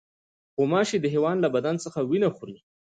غوماشې د حیوان له بدن هم وینه خوري.